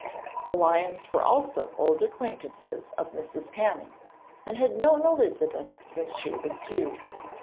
The Lyons were also old acquaintances of Mrs. Canning, and had known Elizabeth since she was two.